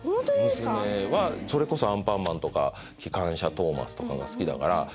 娘はそれこそ『アンパンマン』とか『きかんしゃトーマス』とかが好きだから。